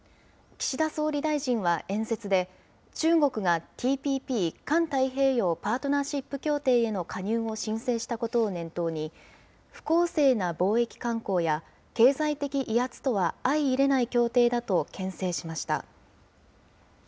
岸田総理大臣は演説で、中国がＴＰＰ・環太平洋パートナーシップ協定への加入を申請したことを念頭に、不公正な貿易慣行や、経済的威圧とは相いれない協定だとけん制しました。